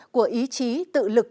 của ý chí tự lực